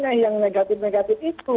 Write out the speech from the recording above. nah yang negatif negatif itu